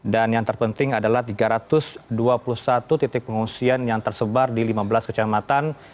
dan yang terpenting adalah tiga ratus dua puluh satu titik pengungsian yang tersebar di lima belas kecamatan